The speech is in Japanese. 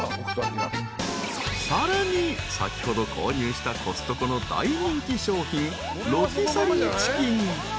［さらに先ほど購入したコストコの大人気商品ロティサリーチキン］